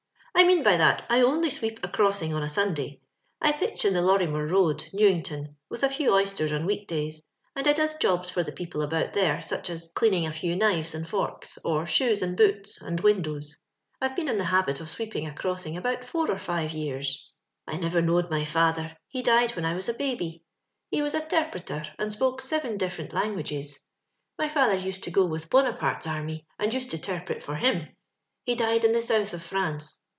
I mean by th^t, I on]y sweep a cros^sing on a Sunday* I pitch in the I^ommore road^ New ingtou, with a few oysters on week da^^'is, and E doeft jobs fen: the people about there, sich as cleaning a few knives and forks, or shoeft and boots, and windows. Ire been in the habit of sweeping a crtna^ng about four or fire yeiira* i_ LONDON LABOUR AND THE LONDON POOR, 480 " I neTer knowed my father, he died when I was a baby. He was a 'terpreter, and spoke seven different languages. My father used to go with Bonaparte's array, and used to 'terpret for him. He died in the South of France.